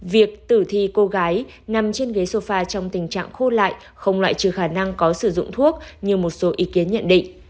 việc tử thi cô gái nằm trên ghế sofa trong tình trạng khô lại không loại trừ khả năng có sử dụng thuốc như một số ý kiến nhận định